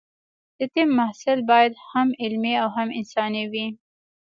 د طب محصل باید هم علمي او هم انساني وي.